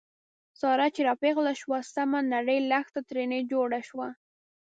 ساره چې را پېغله شوه، سمه نرۍ لښته ترېنه جوړه شوه.